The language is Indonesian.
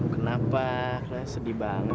kenapa kelihatan sedih banget